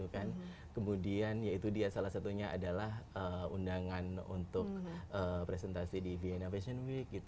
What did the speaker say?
kemudian ya itu dia salah satunya adalah undangan untuk presentasi di vienna fashion week